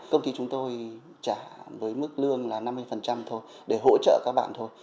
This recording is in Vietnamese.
công ty chúng tôi trả với mức lương là năm mươi thôi để hỗ trợ các bạn thôi